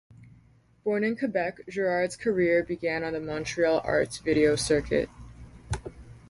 Born in Quebec, Girard's career began on the Montreal art video circuit.